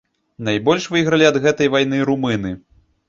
Найбольш выйгралі ад гэтай вайны румыны.